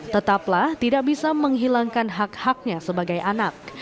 tetaplah tidak bisa menghilangkan hak haknya sebagai anak